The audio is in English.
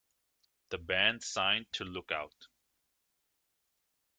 The band signed to Lookout!